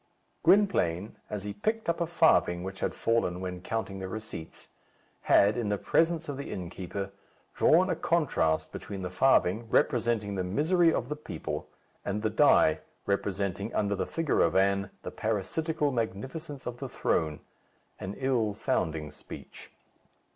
Gwynplaine, as he picked up a farthing which had fallen when counting the receipts, had, in the presence of the innkeeper, drawn a contrast between the farthing, representing the misery of the people, and the die, representing, under the figure of Anne, the parasitical magnificence of the throne an ill sounding speech.